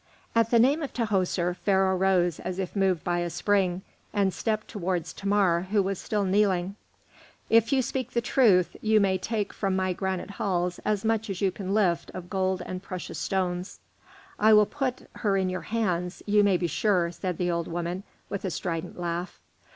At the name of Tahoser, Pharaoh rose as if moved by a spring and stepped towards Thamar, who was still kneeling. "If you speak the truth, you may take from my granite halls as much as you can lift of gold and precious stones." "I will put her in your hands, you may be sure," said the old woman, with a strident laugh.